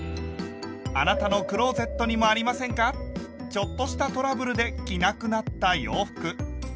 ちょっとしたトラブルで着なくなった洋服。